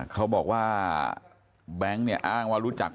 เขาบอกว่าแบงค์เนี่ยอ้างว่ารู้จัก